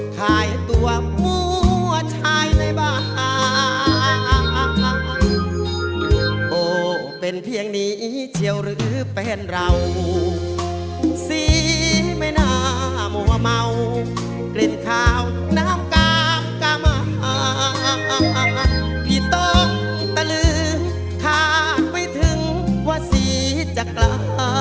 พี่ต้องแต่ลืมคาดไปถึงว่าสิจะกล้า